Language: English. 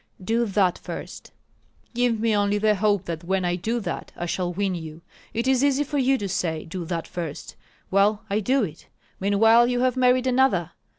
"Do that first." "Give me only the hope that when I do that I shall win you. It is easy for you to say, 'Do that first.' Well, I do it; meanwhile you have married another.